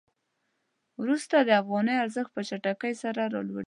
وروسته د افغانۍ ارزښت په چټکۍ سره رالویږي.